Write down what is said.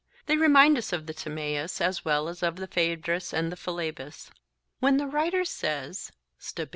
They remind us of the Timaeus, as well as of the Phaedrus and Philebus. When the writer says (Stob.